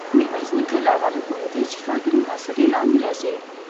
ميرويس نيکه له اوله پوهېده چې ښار تر محاصرې لاندې راځي.